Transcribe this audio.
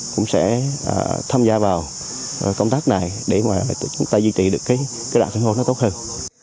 cũng sẽ tham gia vào công tác này để mà chúng ta duy trì được cái đoạn sân hô nó tốt hơn